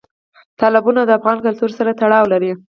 تالابونه د افغان کلتور سره تړاو لري.